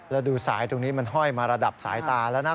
แล้วดูสายตรงนี้มันห้อยมาระดับสายตาแล้วนะ